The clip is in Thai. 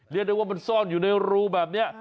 เรียกได้ว่ามันซ่อนอยู่ในรูแบบนี้